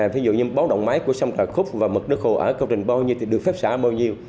ví dụ như báo động máy của sông trà khúc và mực nước hồ ở công trình bao nhiêu thì được phép xả bao nhiêu